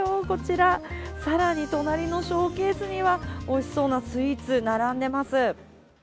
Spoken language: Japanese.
こちら更に隣のショーケースにはおいしそうなスイーツ並んでます。